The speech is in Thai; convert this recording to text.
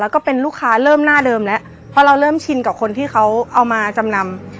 แล้วก็เป็นลูกค้าเริ่มหน้าเดิมแล้วเพราะเราเริ่มชินกับคนที่เขาเอามาจำนำ